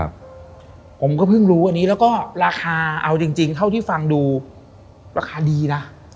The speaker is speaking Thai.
ผมก็เพิ่งรู้อันนี้แล้วก็ราคาเอาจริงเท่าที่ฟังดูราคาดีนะ